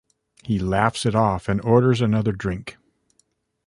He laughs it off and orders another drink.